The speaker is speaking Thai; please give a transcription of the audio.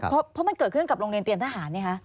เพราะมันเกิดขึ้นกับโรงเรียนเตรียมทหารนี่คะ